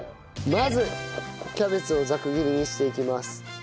まずキャベツをざく切りにしていきます。